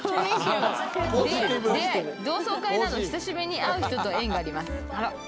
出会い、同窓会など久しぶりに会う人と縁があります。